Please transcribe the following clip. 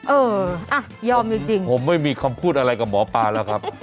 เอออ่ะยอมจริงผมไม่มีคำพูดอะไรกับหมอปลาแล้วครับ